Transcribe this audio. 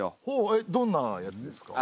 えどんなやつですか？